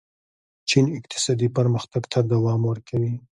چین اقتصادي پرمختګ ته دوام ورکوي.